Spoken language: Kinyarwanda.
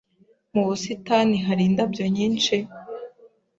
Mu busitani hari indabyo nyinshi?